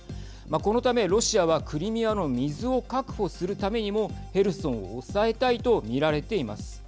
このためロシアはクリミアの水を確保するためにもヘルソンを抑えたいとみられています。